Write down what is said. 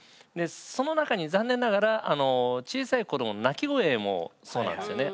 その中に残念ながら小さい子どもの泣き声もそうなんですよね。